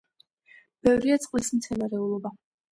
ბევრია წყლის მცენარეულობა.